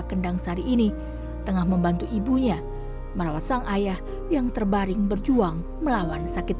kendang sari ini tengah membantu ibunya merawat sang ayah yang terbaring berjuang melawan sakit